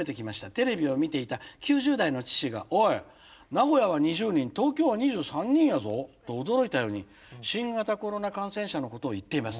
テレビを見ていた９０代の父が『おい名古屋は２０人東京は２３人やぞ』と驚いたように新型コロナ感染者のことを言っています。